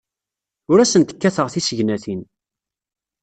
Ur asent-kkateɣ tissegnatin.